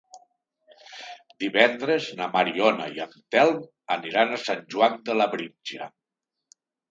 Divendres na Mariona i en Telm aniran a Sant Joan de Labritja.